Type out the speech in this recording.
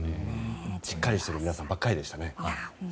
しっかりしている皆さんばかりでしたね。